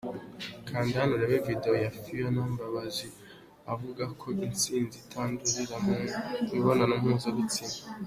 Kanda Hano Urebe Video ya Phionah Mbabazi avuga ko itsinzi itandurira mu mibonano mpuzabitsina.